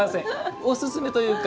おすすめというか